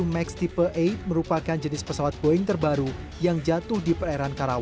tujuh ratus tiga puluh tujuh max tipe delapan merupakan jenis pesawat boeing terbaru yang jatuh di peringkat tersebut